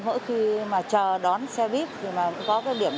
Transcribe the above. mỗi khi mà chờ đón xe buýt thì có cái điểm